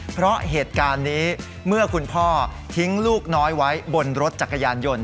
เพราะเหตุการณ์นี้เมื่อคุณพ่อทิ้งลูกน้อยไว้บนรถจักรยานยนต์